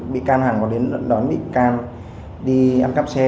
bị can hằng có đến đón bị can đi ăn cắp xe